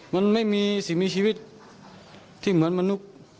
มันไม่มีสิ่งมีชีวิตที่เหมือนมนุษย์